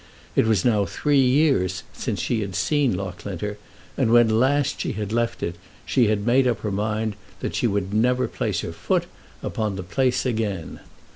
It was now three years since she had seen Loughlinter, and when last she had left it, she had made up her mind that she would never place her foot upon the place again.